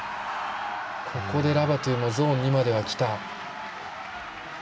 ここでラバトゥがゾーン２まではきた。